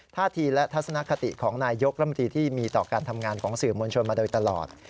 ท่าทีและทัศนคติของนายยกรมตรีที่มีต่อการทำงานของสื่อมวลชนมาโดยตลอด